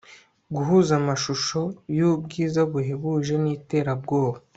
Guhuza amashusho yubwiza buhebuje niterabwoba